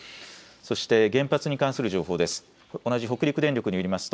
そして原発に関する情報です。